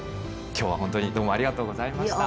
今日は本当にどうもありがとうございました。